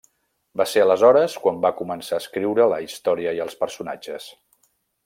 Va ser aleshores quan va començar a escriure la història i els personatges.